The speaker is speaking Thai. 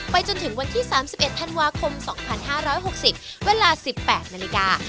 จนถึงวันที่๓๑ธันวาคม๒๕๖๐เวลา๑๘นาฬิกา